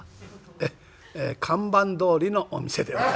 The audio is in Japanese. ええ看板どおりのお店でございました。